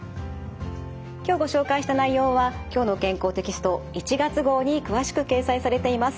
今日ご紹介した内容は「きょうの健康」テキスト１月号に詳しく掲載されています。